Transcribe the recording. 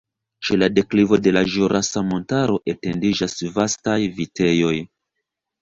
Ĉe la deklivo de la Ĵurasa Montaro etendiĝas vastaj vitejoj.